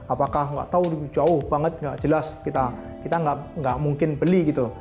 apakah nggak tahu jauh banget nggak jelas kita nggak mungkin beli gitu